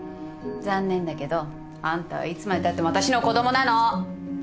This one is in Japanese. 残念だけどあんたはいつまでたってもあたしの子供なの！